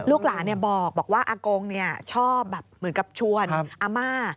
ลูกหลานบอกว่าอากงชอบแบบเหมือนกับชวนอาม่า